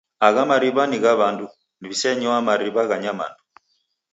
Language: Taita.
Agha mariwa ni gha w'andu w'isenywaa mariw'a gha nyamandu.